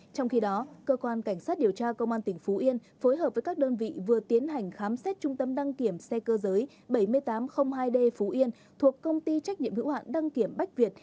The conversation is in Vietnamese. trong khi đó cơ quan cảnh sát điều tra công an tỉnh phú yên phối hợp với các đơn vị vừa tiến hành khám xét trung tâm đăng kiểm xe cơ giới bảy nghìn tám trăm linh hai d phú yên thuộc công ty trách nhiệm hữu hạn đăng kiểm bách việt